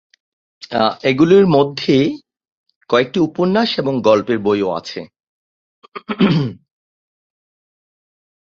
এগুলির মধ্যে কয়েকটি উপন্যাস এবং গল্পের বইও আছে।